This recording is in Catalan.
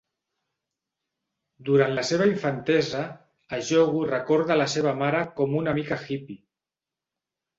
Durant la seva infantesa, Ejogo recorda la seva mare com "una mica hippy".